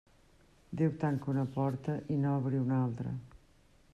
Déu tanca una porta i n'obri una altra.